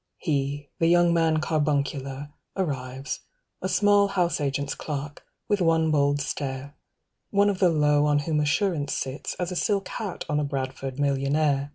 230 He, the young man carbuncular, arrives, A small house agent's clerk, with one bold stare, One of the low on whom assurance sits As a silk hat on a Bradford millionaire.